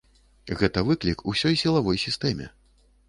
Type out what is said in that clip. Гэта выклік усёй сілавой сістэме.